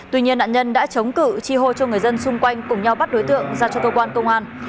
tuy nhiên nạn nhân đã chống cử tri hô cho người dân xung quanh cùng nhau bắt đối tượng ra cho cơ quan công an